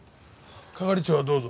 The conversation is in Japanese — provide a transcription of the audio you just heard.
係長はどうぞ。